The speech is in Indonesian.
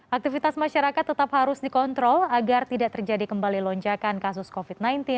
aktivitas masyarakat tetap harus dikontrol agar tidak terjadi kembali lonjakan kasus covid sembilan belas